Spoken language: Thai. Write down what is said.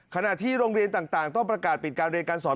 ขณะที่โรงเรียนต่างต้องประกาศปิดการเรียนการสอน